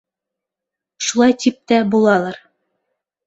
Шулай тип тә булалыр.